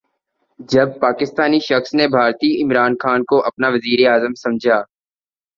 جب پاکستانی شخص نے بھارتی عمران خان کو اپنا وزیراعظم سمجھا